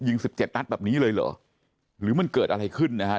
สิบเจ็ดนัดแบบนี้เลยเหรอหรือมันเกิดอะไรขึ้นนะฮะ